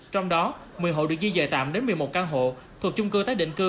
trong đó một mươi hộ được di dời tạm đến một mươi một căn hộ thuộc chung cư tái định cư